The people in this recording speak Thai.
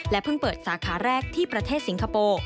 เพิ่งเปิดสาขาแรกที่ประเทศสิงคโปร์